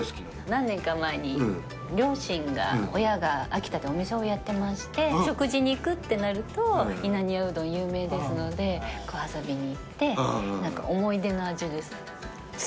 何年か前に両親が親が秋田でお店をやってまして食事に行くってなると稲庭うどん有名ですのでこう遊びに行って。